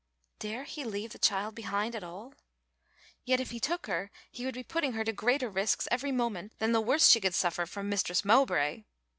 Dare he leave the child behind at all? Yet if he took her he would be putting her to greater risks every moment than the worst she could suffer from Mistress Mowbray.